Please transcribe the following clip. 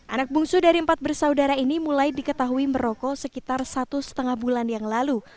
anak bungsu dari empat bersaudara ini mulai diketahui merokok sekitar satu lima bulan yang lalu